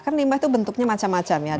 kan limbah itu bentuknya macam macam ya